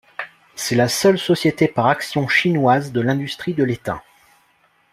C'est la seule société par actions chinoise de l'industrie de l'étain.